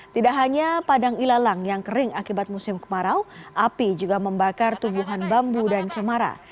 tidak hanya padang ilalang yang kering akibat musim kemarau api juga membakar tubuhan bambu dan cemara